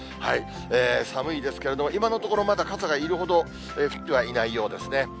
寒いですけれども、今のところ、まだ傘がいるほど、降ってはいないようですね。